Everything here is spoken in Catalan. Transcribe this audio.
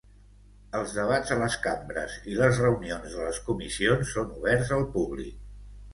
Els debats a les cambres i les reunions de les comissions són oberts al públic.